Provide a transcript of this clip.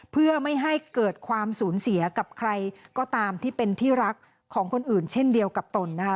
เพื่อไม่ให้เกิดความสูญเสียกับใครก็ตามที่เป็นที่รักของคนอื่นเช่นเดียวกับตนนะคะ